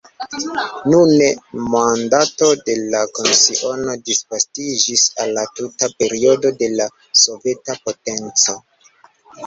Nune mandato de la komisiono disvastiĝis al la tuta periodo de la soveta potenco.